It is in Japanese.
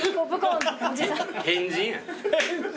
変人やん。